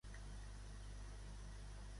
Quan va morir el seu tercer espòs?